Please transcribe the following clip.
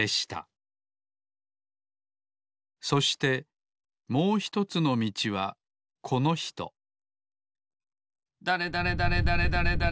そしてもうひとつのみちはこのひとだれだれだれだれだれ